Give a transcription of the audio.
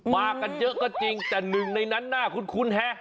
มากันเยอะก็จริงแต่หนึ่งในนั้นน่าคุ้นฮะ